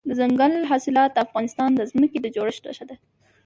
دځنګل حاصلات د افغانستان د ځمکې د جوړښت نښه ده.